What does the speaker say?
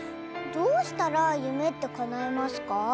どうしたらゆめってかないますか？